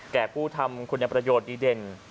แก่ผู้ทำคุณประโยชน์ดีเด่น